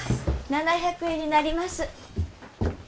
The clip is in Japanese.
７００円になります